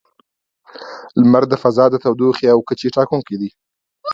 • لمر د فضا د تودوخې او کچې ټاکونکی دی.